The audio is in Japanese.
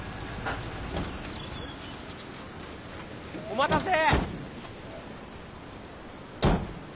お待たせ。